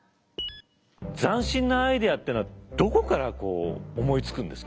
斬新なアイデアっていうのはどこからこう思いつくんですか？